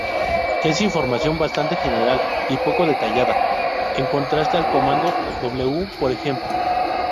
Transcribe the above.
Es información bastante general y poco detallada, en contraste al comando w, por ejemplo.